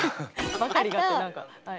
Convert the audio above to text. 「ばかりが」って何かはい。